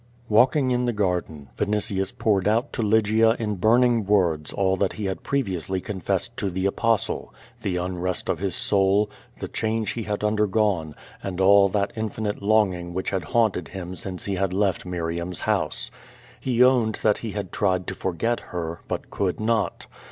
Walking in the garden, Vinitius poured out to Lygia in burning words all that he had ])reviously confessed to the Apostle — the unrest of his soul, tlie cliange he had undergone, and all that infinite longing whicli had haunted him since he had left Miriam's house. He owned that he had tried to forget her, but could not.